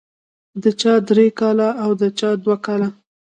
د چا درې کاله او د چا دوه کاله.